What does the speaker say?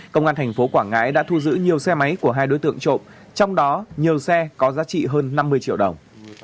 công an thành phố quảng ngãi đã thu giữ nhiều xe máy của hai đối tượng trộm trong đó nhiều xe có giá trị hơn năm mươi triệu đồng